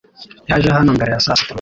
Yaje hano mbere ya saa sita .